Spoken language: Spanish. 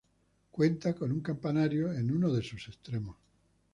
Cuenta con un campanario en uno de sus extremos.